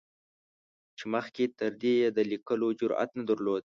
چې مخکې تر دې یې د لیکلو جرعت نه درلود.